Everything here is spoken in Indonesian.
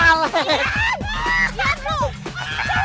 kalah kalah kalah